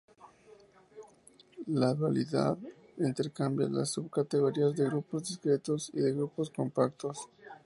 La dualidad intercambia las subcategorías de grupos discretos y de grupos compactos.